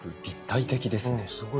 立体的ですね。